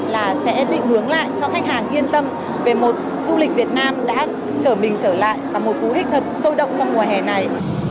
là sẽ định hướng lại cho khách hàng yên tâm về một du lịch việt nam đã trở mình trở lại và một cú hích thật sôi động trong mùa hè này